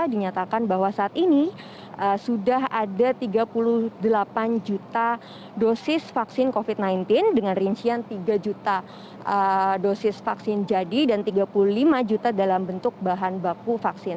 dinyatakan bahwa saat ini sudah ada tiga puluh delapan juta dosis vaksin covid sembilan belas dengan rincian tiga juta dosis vaksin jadi dan tiga puluh lima juta dalam bentuk bahan baku vaksin